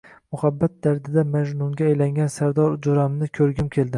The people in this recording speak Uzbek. Muhabbat dardida Majnunga aylangan Sardor joʻramni koʻrgim keldi.